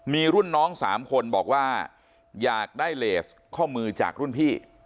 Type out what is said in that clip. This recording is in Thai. มีรุ่นน้อง๓คนบอกว่าอยากได้เลสข้อมือจากรุ่นพี่